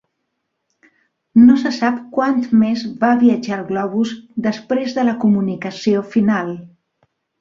No se sap quant més va viatjar el globus després de la comunicació final.